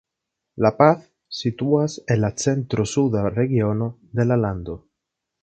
La Paz situas en la centro-suda regiono de la lando.